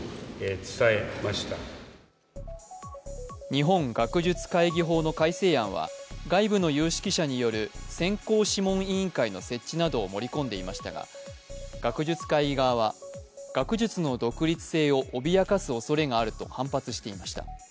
日本学術会議法の改正案は外部の有識者による選考諮問委員会の設置などを盛り込んでいましたが学術会議側は、学術の独立性を脅かすおそれがあると反発していました。